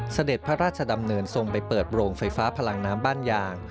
เสด็จพระราชดำเนินทรงไปเปิดโรงไฟฟ้าพลังน้ำบ้านยาง